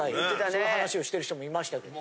その話をしてる人もいましたけど。